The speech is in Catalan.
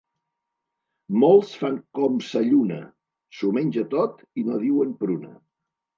Molts fan com sa lluna: s'ho menja tot i no diuen pruna.